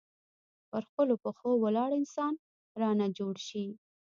پر خپلو پښو ولاړ انسان رانه جوړ شي.